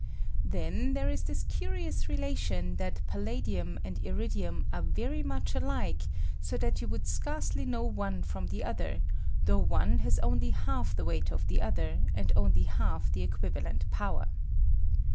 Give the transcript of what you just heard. Then there is this curious re lation, that palladium and iridium are very much alike, so that you would scarcely know one from the other, though one has only half the weight of the other, and only half the equiv alent power.